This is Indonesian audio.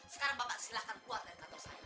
sekarang bapak silahkan keluar dari kantor saya